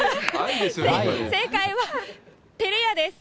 正解は、てれ屋です。